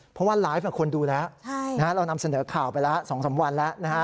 เพราะว่าไลฟ์คนดูแล้วเรานำเสนอข่าวไปแล้ว๒๓วันแล้วนะฮะ